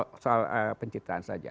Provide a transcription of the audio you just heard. itu soal pencitraan saja